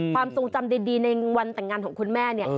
ความทรงจำดีในวันแต่งงานของคุณแม่เนี่ย